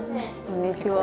こんにちは